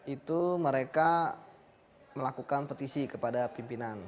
itu mereka melakukan petisi kepada pimpinan